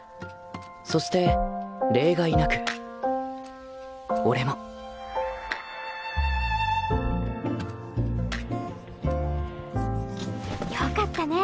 そして例外なく俺も良かったね